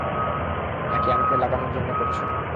নাকি আমাকে লাগানোর জন্য করছ?